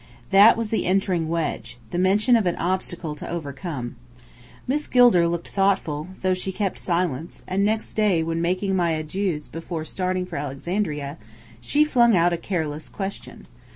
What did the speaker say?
That was the entering wedge the mention of an obstacle to overcome. Miss Gilder looked thoughtful, though she kept silence: and next day, when making my adieux before starting for Alexandria, she flung out a careless question.